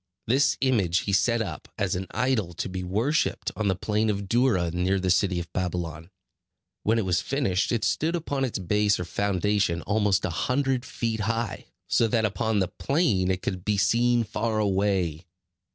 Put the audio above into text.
This image he set up, as an idol to be worshipped, on the plain of Dura, near the city of Babylon. When it was finished, it stood upon its base or foundation almost a hundred feet high; so that upon the plain it could be seen far away.